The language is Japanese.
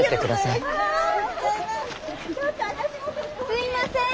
すいません！